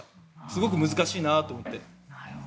すごく難しいなと思って。